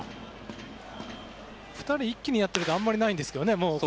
２人一気にやっていることあまりないんですけどね。